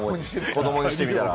子どもにしてみたら。